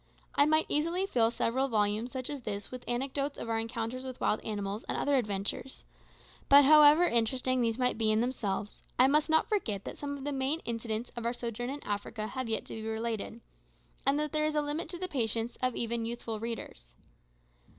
I might easily fill several volumes such as this with anecdotes of our encounters with wild animals, and other adventures; but however interesting these might be in themselves, I must not forget that some of the main incidents of our sojourn in Africa have yet to be related, and that there is a limit to the patience of even youthful readers.